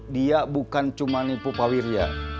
dia bukan cuma nipu pak wirja